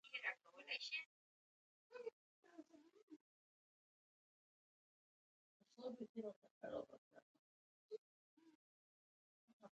دښتې د افغانستان طبعي ثروت دی.